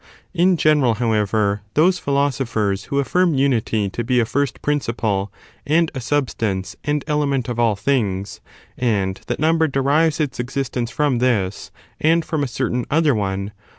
In general, however, of numbers. thoso philosophers who affirm unity to be a first principle, and a substance and element of all things, and that number derives its existence from this and from a certain other one.